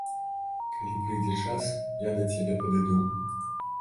Калі прыйдзе час, я да цябе падыду.